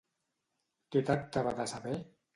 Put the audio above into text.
Què tractava de saber?